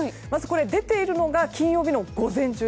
出ているのが金曜日の午前中。